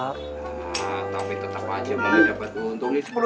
nah tapi tetap aja mau dapat untung itu